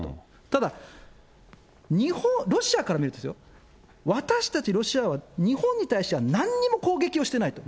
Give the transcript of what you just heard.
ただ、ロシアから見ると、私たちロシアは日本に対してはなんにも攻撃をしてないと。